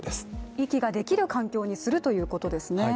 息ができる環境にするということですね。